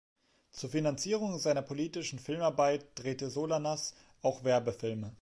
Zur Finanzierung seiner politischen Filmarbeit drehte Solanas auch Werbefilme.